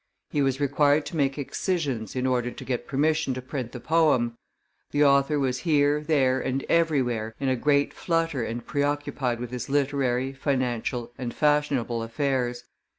He was required to make excisions in order to get permission to print the poem; the author was here, there, and everywhere, in a great flutter and preoccupied with his literary, financial, and fashionable affairs.